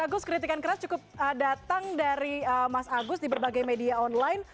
agus kritikan keras cukup datang dari mas agus di berbagai media online